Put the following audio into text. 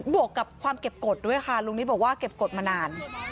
วกกับความเก็บกฎด้วยค่ะลุงนิดบอกว่าเก็บกฎมานาน